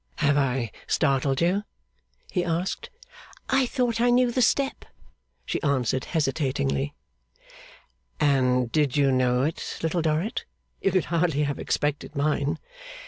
'Have I startled you?' he asked. 'I thought I knew the step,' she answered, hesitating. 'And did you know it, Little Dorrit? You could hardly have expected mine.